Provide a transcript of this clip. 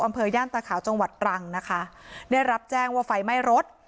ย่านตาขาวจังหวัดตรังนะคะได้รับแจ้งว่าไฟไหม้รถ